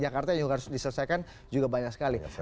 jakarta yang harus diselesaikan juga banyak sekali